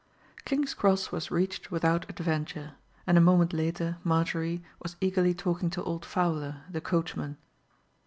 King's Cross was reached without adventure, and a moment later Marjorie was eagerly talking to old Fowler the coachman.